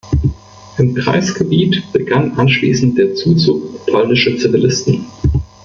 Im Kreisgebiet begann anschließend der Zuzug polnischer Zivilisten.